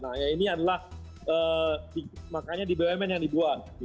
nah ya ini adalah makanya di bumn yang dibuat